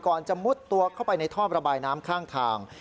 จะมุดตัวเข้าไปในท่อระบายน้ำข้างทาง